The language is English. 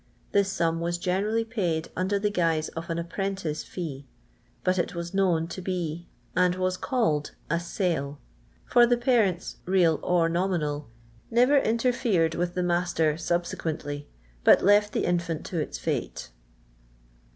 This sum was geneniUy paid under the guise of an apprentice fee, but it was known to be and was ciUed a " Kile;' for the parents, real or nominal, never interfered with the master subie quently, but left the infant to its fate.